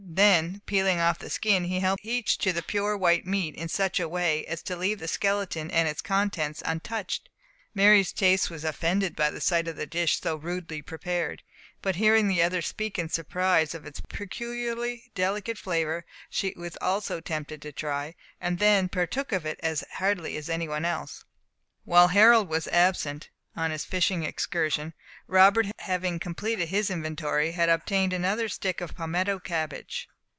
Then peeling off the skin, he helped each to the pure white meat in such a way as to leave the skeleton and its contents untouched. Mary's taste was offended by the sight of a dish so rudely prepared; but hearing the others speak in surprise of its peculiarly delicate flavour, she also was tempted to try, and then partook of it as heartily as any one else. While Harold was absent on his fishing excursion, Robert, having completed his inventory, had obtained another stick of palmetto cabbage.